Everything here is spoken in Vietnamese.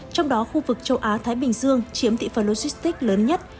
trong đó khu vực châu á thái bình dương chiếm tỷ phần logistics lớn nhất